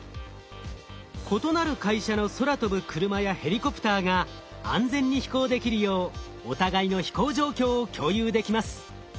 異なる会社の空飛ぶクルマやヘリコプターが安全に飛行できるようお互いの飛行状況を共有できます。